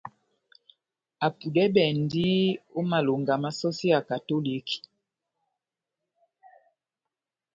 Apudɛbɛndi ó malonga má sɔsi ya katoliki.